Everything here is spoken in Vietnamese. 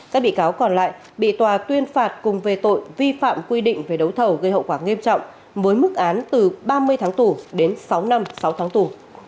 các bị cáo còn lại bị tòa tuyên phạt cùng về tội vi phạm quy định về đấu thầu gây hậu quả nghiêm trọng với mức án từ ba mươi tháng tù đến sáu năm sáu tháng tù